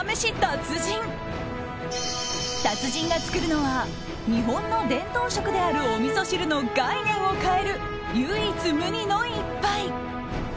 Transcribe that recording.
達人が作るのは日本の伝統食であるおみそ汁の概念を変える唯一無二の一杯。